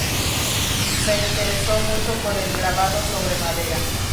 Se interesó mucho por el grabado sobre madera.